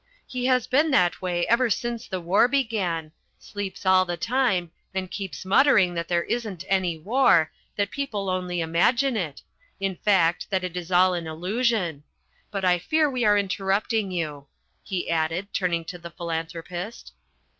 "He's been that way ever since the war began sleeps all the time, and keeps muttering that there isn't any war, that people only imagine it, in fact that it is all an illusion. But I fear we are interrupting you," he added, turning to The Philanthropist.